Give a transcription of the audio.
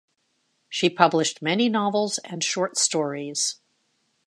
She published many novels and short stories.